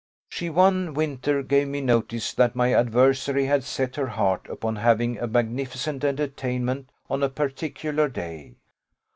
She one winter gave me notice that my adversary had set her heart upon having a magnificent entertainment on a particular day.